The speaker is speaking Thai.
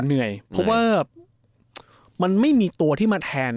เพราะว่ามันไม่มีตัวที่มาแทน